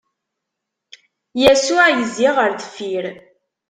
Yasuɛ izzi ɣer deffir.